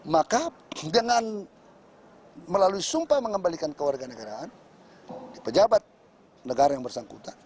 maka dengan melalui sumpah mengembalikan kewarganegaraan di pejabat negara yang bersangkutan